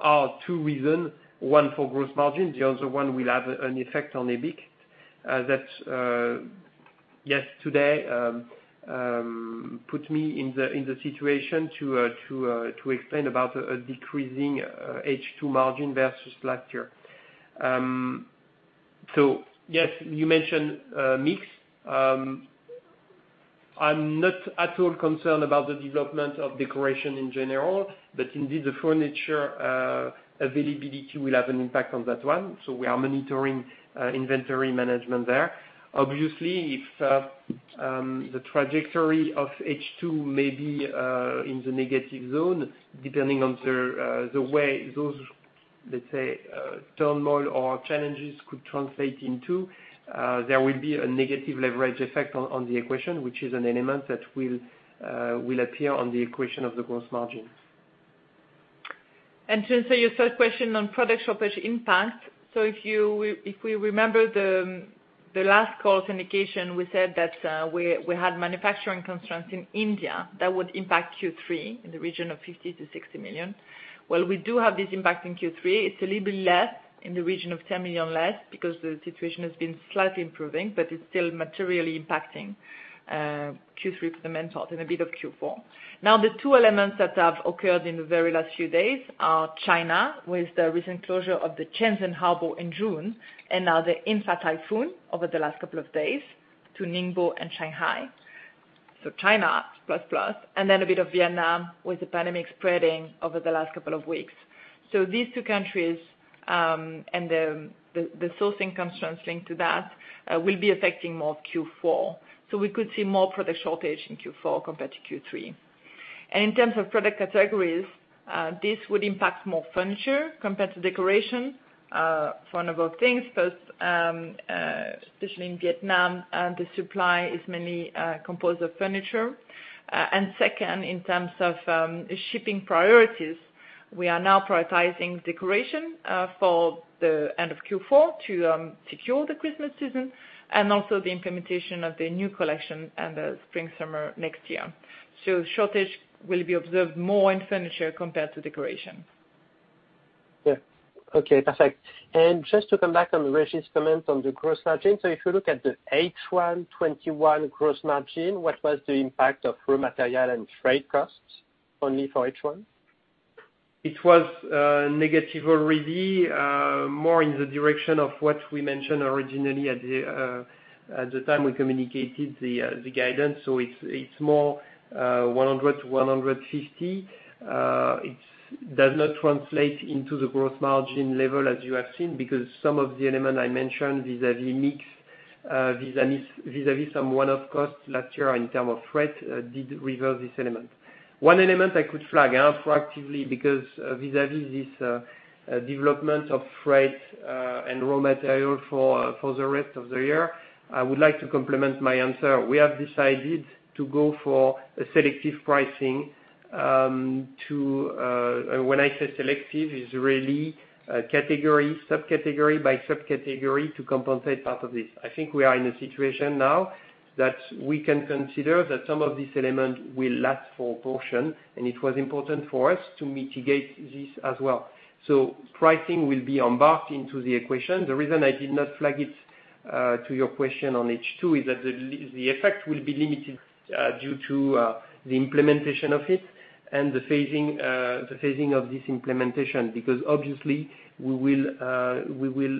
are two reason, one for gross margin, the other one will have an effect on EBIT that, yes, today, put me in the situation to explain about a decreasing H2 margin versus last year. Yes, you mentioned mix. I'm not at all concerned about the development of decoration in general. Indeed, the furniture availability will have an impact on that one. We are monitoring inventory management there. Obviously, if the trajectory of H2 may be in the negative zone, depending on the way those, let's say, turmoil or challenges could translate into, there will be a negative leverage effect on the equation, which is an element that will appear on the equation of the gross margin. To answer your third question on product shortage impact. If we remember the last call indication, we said that we had manufacturing constraints in India that would impact Q3 in the region of 50 million-60 million. We do have this impact in Q3. It's a little bit less, in the region of 10 million less, because the situation has been slightly improving, but it's still materially impacting Q3 for the main part and a bit of Q4. The two elements that have occurred in the very last few days are China, with the recent closure of the Shenzhen port in June, and the In-Fa typhoon over the last couple of days to Ningbo and Shanghai. China plus. Then a bit of Vietnam with the pandemic spreading over the last couple of weeks. These two countries, and the sourcing constraints linked to that, will be affecting more of Q4. We could see more product shortage in Q4 compared to Q3. In terms of product categories, this would impact more furniture compared to decoration. For a number of things, first, especially in Vietnam, the supply is mainly composed of furniture. Second, in terms of shipping priorities, we are now prioritizing decoration for the end of Q4 to secure the Christmas season and also the implementation of the new collection and the spring/summer next year. Shortage will be observed more in furniture compared to decoration. Yeah. Okay, perfect. Just to come back on Régis' comment on the gross margin. If you look at the H1 2021 gross margin, what was the impact of raw material and freight costs only for H1? It was negative already, more in the direction of what we mentioned originally at the time we communicated the guidance. It's more 100-150 bps. It does not translate into the gross margin level as you have seen, because some of the element I mentioned vis-a-vis mix, vis-a-vis some one-off costs last year in term of freight, did reverse this element. One element I could flag out proactively because vis-a-vis this development of freight and raw material for the rest of the year, I would like to complement my answer. We have decided to go for a selective pricing. When I say selective, it's really category, sub-category by sub-category to compensate part of this. I think we are in a situation now that we can consider that some of this element will last for a portion. It was important for us to mitigate this as well. Pricing will be embarked into the equation. The reason I did not flag it to your question on H2 is that the effect will be limited due to the implementation of it and the phasing of this implementation. Because obviously we will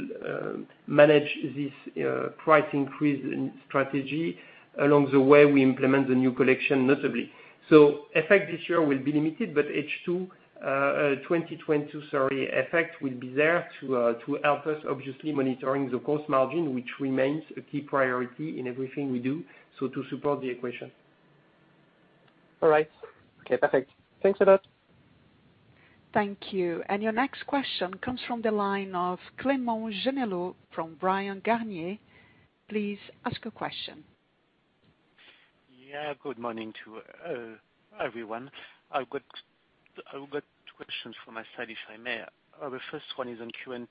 manage this price increase in strategy along the way we implement the new collection, notably. Effect this year will be limited, but H2, 2022, sorry, effect will be there to help us, obviously, monitoring the gross margin, which remains a key priority in everything we do, so to support the equation. All right. Okay, perfect. Thanks a lot. Thank you. Your next question comes from the line of Clément Genelot from Bryan, Garnier. Please ask a question. Yeah, good morning to everyone. I've got two questions from my side, if I may. The first one is on current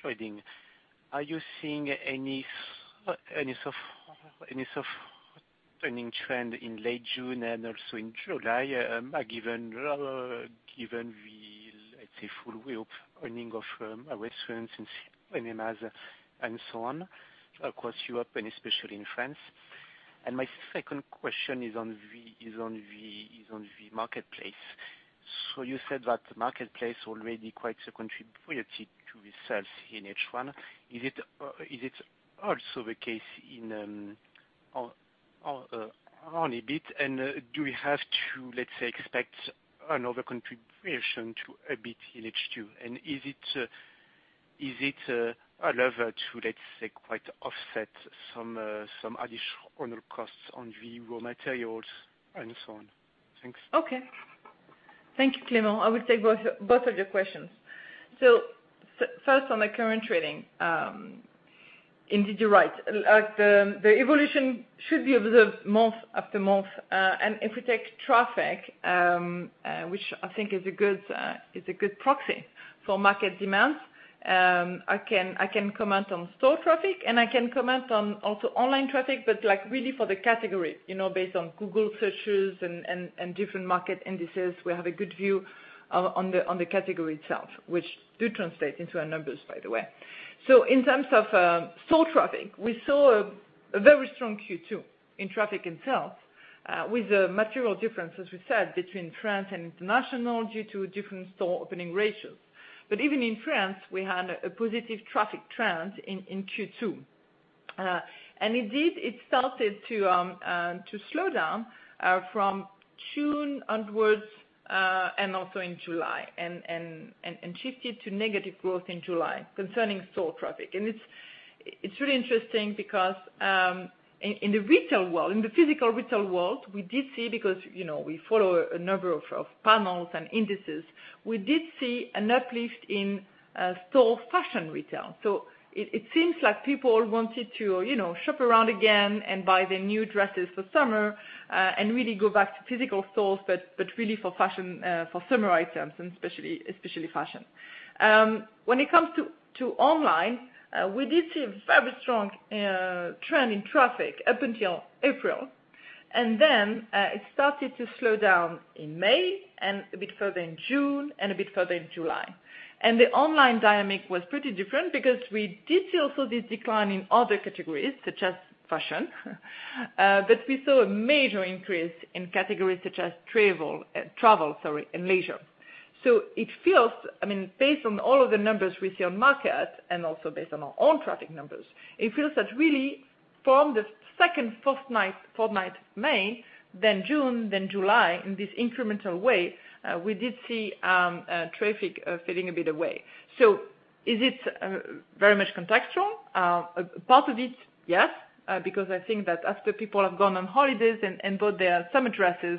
trading. Are you seeing any softening trend in late June and also in July, given the, let's say, full reopening of restaurants and cinemas, and so on, across Europe and especially in France? My second question is on the marketplace. You said that the marketplace already quite a contributor to the sales in H1. Is it also the case on EBIT? Do we have to, let's say, expect another contribution to EBIT in H2? Is it a lever to, let's say, quite offset some additional costs on the raw materials and so on? Thanks. Okay. Thank you, Clément. I will take both of your questions. First on the current trading. Indeed, you're right. The evolution should be observed month after month. If we take traffic, which I think is a good proxy for market demands, I can comment on store traffic, and I can comment on also online traffic, but really for the category. Based on Google searches and different market indices, we have a good view on the category itself, which do translate into our numbers, by the way. In terms of store traffic, we saw a very strong Q2 in traffic itself, with a material difference, as we said, between France and international due to different store opening ratios. Even in France, we had a positive traffic trend in Q2. Indeed, it started to slow down from June onwards, and also in July, and shifted to negative growth in July concerning store traffic. It's really interesting because in the retail world, in the physical retail world, we did see, because we follow a number of panels and indices, we did see an uplift in store fashion retail. It seems like people wanted to shop around again and buy their new dresses for summer, and really go back to physical stores, but really for fashion, for summer items and especially fashion. When it comes to online, we did see a very strong trend in traffic up until April, and then it started to slow down in May, and a bit further in June, and a bit further in July. The online dynamic was pretty different because we did see also this decline in other categories such as fashion, but we saw a major increase in categories such as travel and leisure. It feels, based on all of the numbers we see on market and also based on our own traffic numbers, it feels that really from the second fortnight of May, then June, then July, in this incremental way, we did see traffic fading a bit away. Is it very much contextual? Part of it, yes. I think that after people have gone on holidays and bought their summer dresses,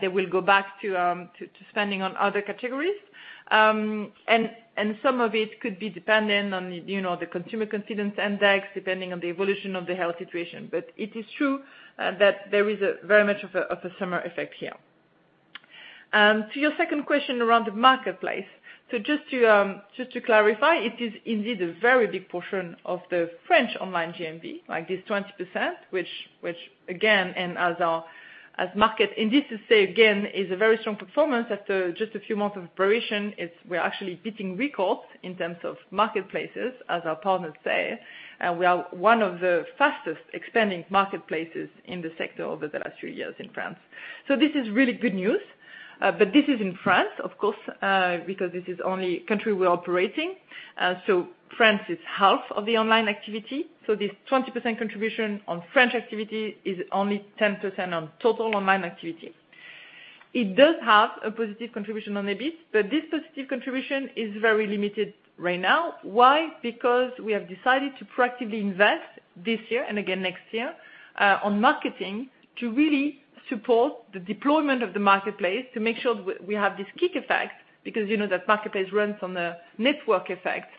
they will go back to spending on other categories. Some of it could be dependent on the consumer confidence index, depending on the evolution of the health situation. It is true that there is very much of a summer effect here. To your second question around the marketplace. Just to clarify, it is indeed a very big portion of the French online GMV, like this 20%, which again, and as market indices say, again, is a very strong performance after just a few months of operation, we're actually beating records in terms of marketplaces, as our partners say, and we are one of the fastest expanding marketplaces in the sector over the last three years in France. This is really good news. This is in France, of course, because this is only country we're operating. France is half of the online activity. This 20% contribution on French activity is only 10% on total online activity. It does have a positive contribution on EBIT, but this positive contribution is very limited right now. Why? We have decided to proactively invest this year and again next year, on marketing to really support the deployment of the marketplace to make sure we have this kick effect, because that marketplace runs on a network effect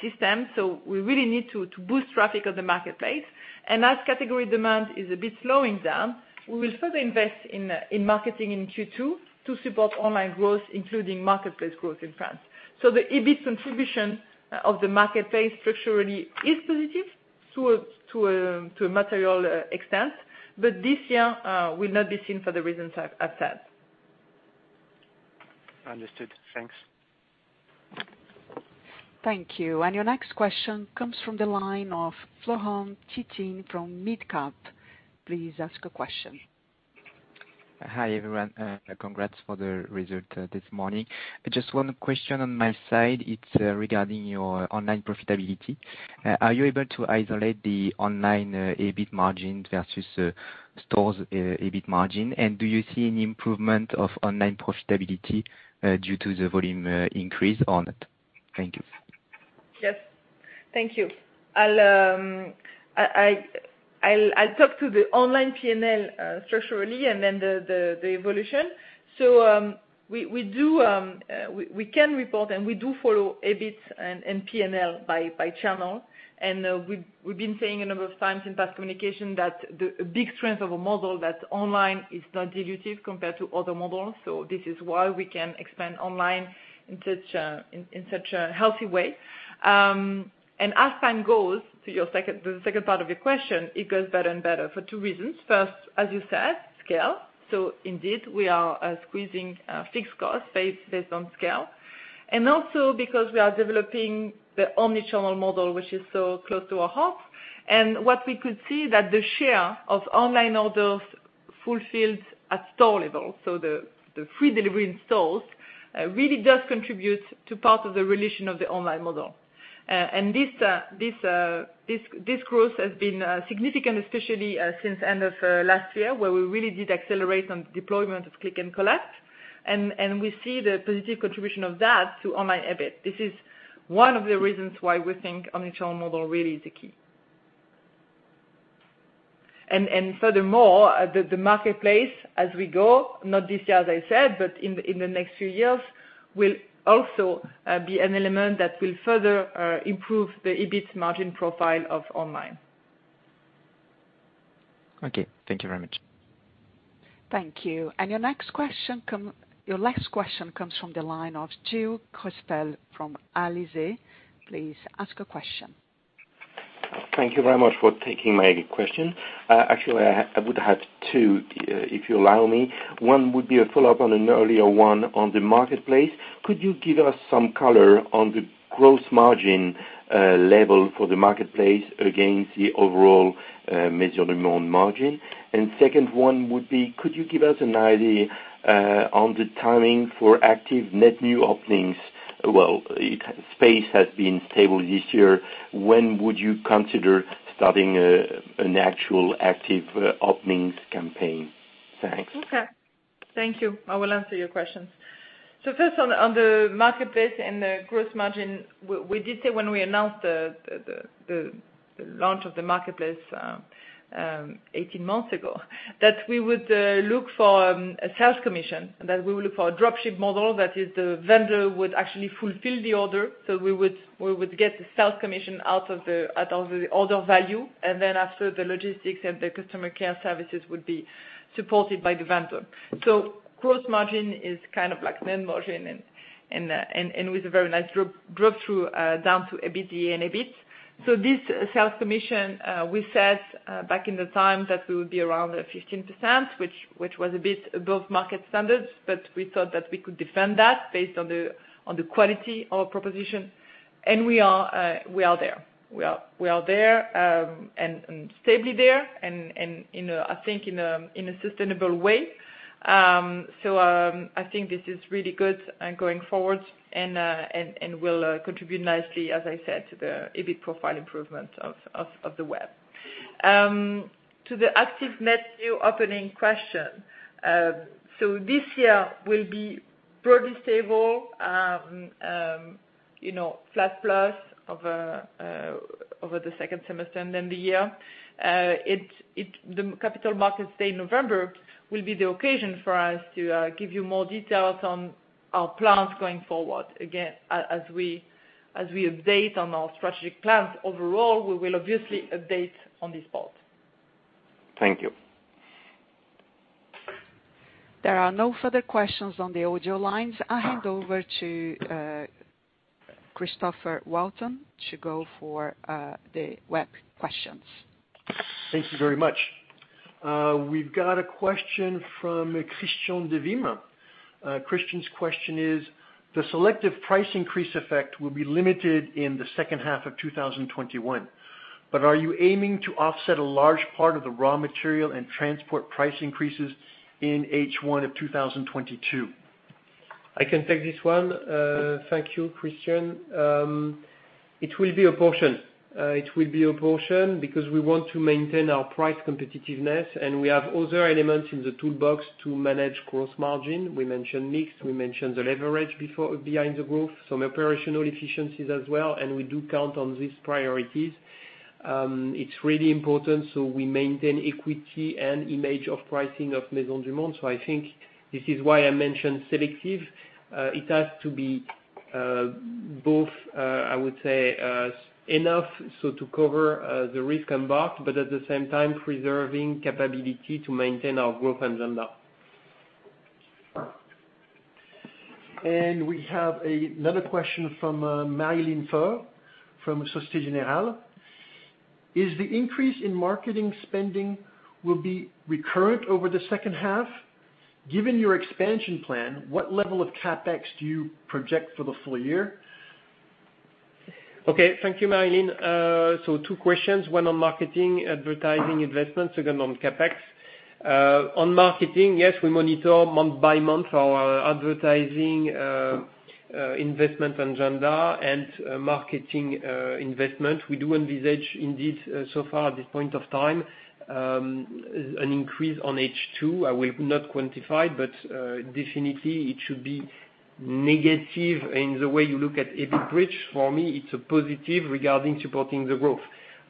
system. We really need to boost traffic on the marketplace. As category demand is a bit slowing down, we will further invest in marketing in Q2 to support online growth, including marketplace growth in France. The EBIT contribution of the marketplace structurally is positive to a material extent, but this year will not be seen for the reasons I've said. Understood. Thanks. Thank you. Your next question comes from the line of Florent Thy-Tine from MidCap. Please ask a question. Hi, everyone. Congrats for the results this morning. Just one question on my side. It's regarding your online profitability. Are you able to isolate the online EBIT margin versus stores' EBIT margin? Do you see any improvement of online profitability due to the volume increase on it? Thank you. Thank you. I'll talk to the online P&L structurally and then the evolution. We can report, and we do follow EBIT and P&L by channel. We've been saying a number of times in past communication that the big strength of a model that online is not dilutive compared to other models. This is why we can expand online in such a healthy way. As time goes, to the second part of your question, it goes better and better for two reasons. First, as you said, scale. Indeed, we are squeezing fixed costs based on scale. Also because we are developing the omnichannel model, which is so close to our heart. What we could see that the share of online orders fulfilled at store level, so the free delivery in stores, really does contribute to part of the relation of the online model. This growth has been significant, especially since end of last year, where we really did accelerate on deployment of click and collect. We see the positive contribution of that to online EBIT. This is one of the reasons why we think omnichannel model really is a key. Furthermore, the marketplace as we go, not this year, as I said, but in the next few years, will also be an element that will further improve the EBIT margin profile of online. Okay. Thank you very much. Thank you. Your next question comes from the line of Gilles Costes from Alizé. Please ask a question. Thank you very much for taking my question. Actually, I would have two, if you allow me. One would be a follow-up on an earlier one on the marketplace. Could you give us some color on the gross margin level for the marketplace against the overall Maisons du Monde margin? Second one would be, could you give us an idea on the timing for active net new openings? Well, space has been stable this year. When would you consider starting an actual active openings campaign? Thanks. Okay. Thank you. I will answer your questions. First on the marketplace and the gross margin. We did say when we announced the launch of the marketplace 18 months ago, that we would look for a sales commission, that we would look for a drop shipping model, that is the vendor would actually fulfill the order, so we would get the sales commission out of the order value. After the logistics and the customer care services would be supported by the vendor. Gross margin is kind of like net margin and with a very nice drop-through down to EBITDA and EBIT. This sales commission, we said back in the time that we would be around 15%, which was a bit above market standards, but we thought that we could defend that based on the quality of our proposition. We are there. We are there, and stably there, and I think in a sustainable way. I think this is really good going forward and will contribute nicely, as I said, to the EBIT profile improvement of the web. To the active net new opening question. This year will be broadly stable, flat plus over the second semester and then the year. The Capital Markets Day in November will be the occasion for us to give you more details on our plans going forward. Again, as we update on our strategic plans overall, we will obviously update on this part. Thank you. There are no further questions on the audio lines. I hand over to Christopher Welton to go for the web questions. Thank you very much. We've got a question from Christian Devismes. Christian's question is: The selective price increase effect will be limited in the H2 of 2021. Are you aiming to offset a large part of the raw material and transport price increases in H1 of 2022? I can take this one. Thank you, Christian. It will be a portion. It will be a portion because we want to maintain our price competitiveness, and we have other elements in the toolbox to manage gross margin. We mentioned mix, we mentioned the leverage behind the growth, some operational efficiencies as well, and we do count on these priorities. It's really important, so we maintain equity and image of pricing of Maisons du Monde. I think this is why I mentioned selective. It has to be both, I would say, enough so to cover the risk and costs, but at the same time preserving capability to maintain our growth agenda. We have another question from Marilyn Paspard from Societe Generale. Is the increase in marketing spending will be recurrent over the second half? Given your expansion plan, what level of CapEx do you project for the full-year? Okay. Thank you, Marilyn. Two questions, one on marketing, advertising investments, second on CapEx. On marketing, yes, we monitor month by month our advertising investment agenda and marketing investment. We do envisage, indeed, so far at this point of time, an increase on H2. I will not quantify, but definitely it should be negative in the way you look at EBIT bridge. For me, it's a positive regarding supporting the growth.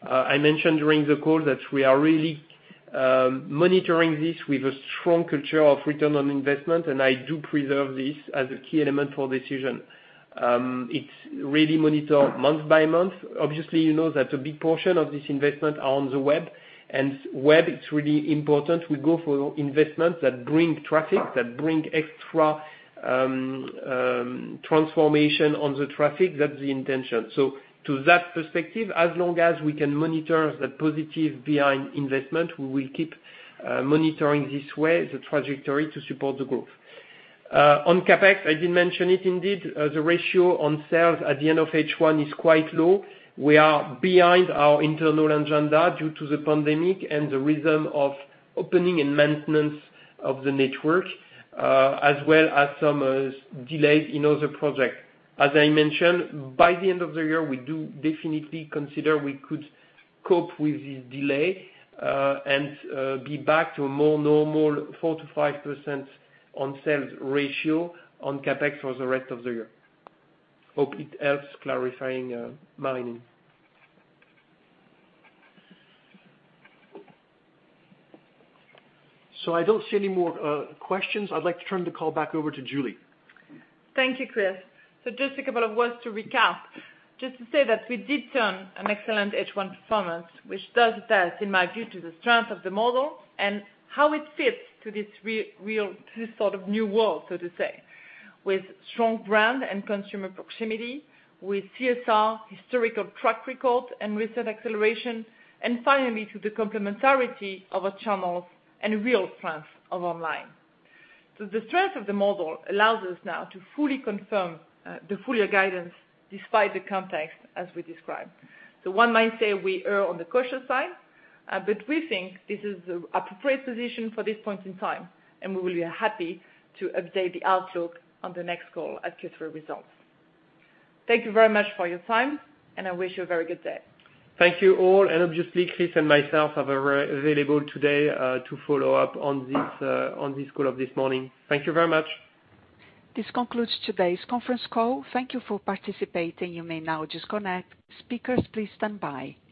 I mentioned during the call that we are really monitoring this with a strong culture of return on investment, and I do preserve this as a key element for decision. It's really monitored month by month. Obviously, you know that a big portion of this investment are on the web. Web, it's really important we go for investments that bring traffic, that bring extra transformation on the traffic. That's the intention. To that perspective, as long as we can monitor the positive behind investment, we will keep monitoring this way, the trajectory, to support the growth. On CapEx, I did mention it indeed, the ratio on sales at the end of H1 is quite low. We are behind our internal agenda due to the pandemic and the rhythm of opening and maintenance of the network, as well as some delays in other projects. As I mentioned, by the end of the year, we do definitely consider we could cope with this delay, and be back to a more normal 4%-5% on sales ratio on CapEx for the rest of the year. Hope it helps clarifying, Marilyn. I don't see any more questions. I'd like to turn the call back over to Julie. Thank you, Chris. Just two words to recap. Just to say that we did turn an excellent H1 performance, which does attest, in my view, to the strength of the model and how it fits to this sort of new world, so to say. With strong brand and consumer proximity, with CSR historical track record and recent acceleration, finally, to the complementarity of our channels and real strength of online. The strength of the model allows us now to fully confirm the full-year guidance despite the context as we described. One might say we err on the cautious side, but we think this is the appropriate position for this point in time, and we will be happy to update the outlook on the next call as Q3 results. Thank you very much for your time, and I wish you a very good day. Thank you all. Obviously, Chris and myself are available today to follow up on this call of this morning. Thank you very much. This concludes today's conference call. Thank you for participating. You may now disconnect. Speakers, please stand by.